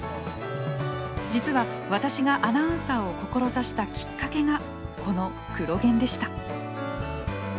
実は私がアナウンサーを志したきっかけがこの「クロ現」でした。